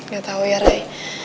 gak tau ya rey